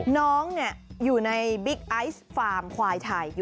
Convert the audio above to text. น้องอยู่ในบิ๊กไอซ์ฟาร์มควายไทย